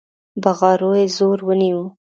بغارو يې زور ونيو.